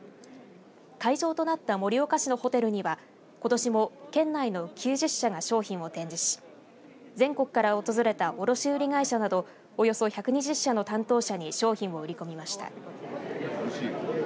会場となった盛岡市のホテルにはことしも県内の９０社が商品を展示し全国から訪れた卸売会社などおよそ１２０社の担当者に商品を売り込みました。